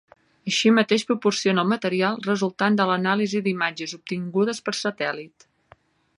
Així mateix proporciona el material resultant de l'anàlisi d'imatges obtingudes per satèl·lit.